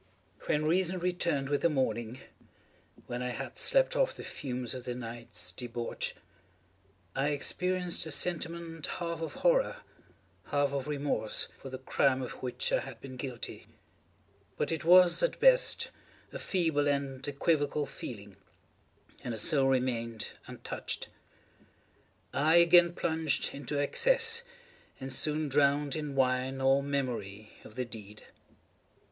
When reason returned with the morning—when I had slept off the fumes of the night's debauch—I experienced a sentiment half of horror, half of remorse, for the crime of which I had been guilty; but it was, at best, a feeble and equivocal feeling, and the soul remained untouched. I again plunged into excess, and soon drowned in wine all memory of the deed.